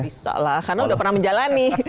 bisa lah karena udah pernah menjalani